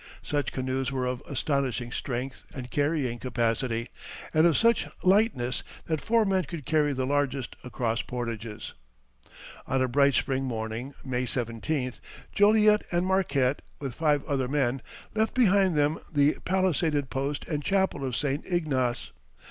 Such canoes were of astonishing strength and carrying capacity, and of such lightness that four men could carry the largest across portages. On a bright spring morning, May 17th, Joliet and Marquette, with five other men, left behind them the palisaded post and chapel of St. Ignace.